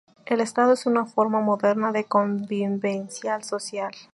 El Estado es una forma moderna de convivencia social.